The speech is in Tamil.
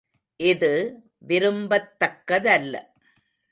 இது விரும்பத்தக்க தல்ல.